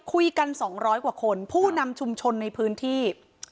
คุยกัน๒๐๐กว่าคนผู้นำชุมชนในพื้นที่